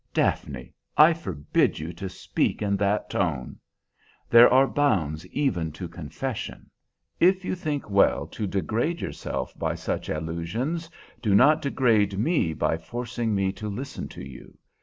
"Daphne, I forbid you to speak in that tone! There are bounds even to confession. If you think well to degrade yourself by such allusions, do not degrade me by forcing me to listen to you.